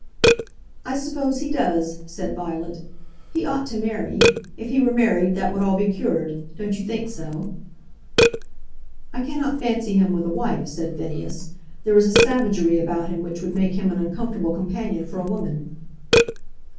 "I suppose he does," said Violet. "He ought to marry. If he were married, that would all be cured; don't you think so?" "I cannot fancy him with a wife," said Phineas, "There is a savagery about him which would make him an uncomfortable companion for a woman."